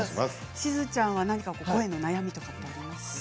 しずちゃんは何か声の悩みとかありますか？